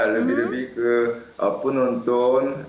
lebih lebih ke penonton